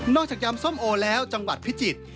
จากยำส้มโอแล้วจังหวัดพิจิตร